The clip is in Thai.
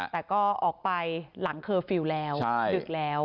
แต่ก็ออกไปหลังเคอร์ฟิลแล้ว